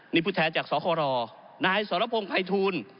นี่ผู้แทนจากสครอนายสรพงศ์ภัยทูล